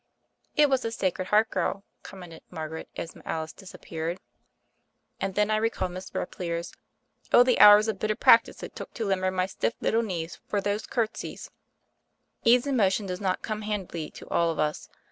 "It was a Sacred Heart girl, commented Margaret as Alice disappeared. And then I recalled Miss Repplier's, "Oh, the hours of bitter practice it took to limber my stiff little knees for those curtsies I" Ease in motion does not come handily to all of us.